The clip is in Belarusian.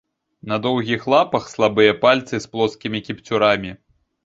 На доўгіх лапах слабыя пальцы з плоскімі кіпцюрамі.